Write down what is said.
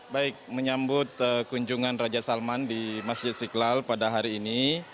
baik menyambut kunjungan raja salman di masjid istiqlal pada hari ini